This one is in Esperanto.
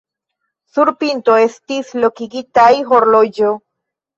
Sur pinto estis lokigitaj horloĝo.